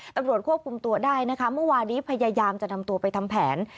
ตำรวจควบคุมตัวได้นะคะเมื่อวานี้พยายามจะนำตัวไปทำแผน